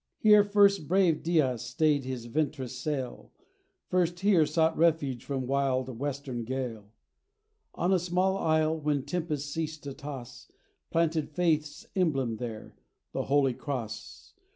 Here first brave Diaz stayed his vent'rous sail, First here sought refuge from wild western gale, On a small isle, when tempests ceased to toss, Planted Faith's emblem there, "The Holy Cross."